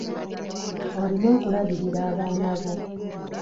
Olina okulabirira abaana bo.